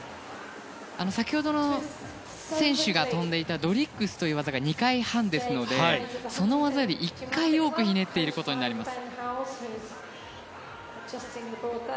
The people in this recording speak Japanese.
先ほどの選手が跳んでいたドリッグスが２回半なのでその技より１回多くひねっていることになります。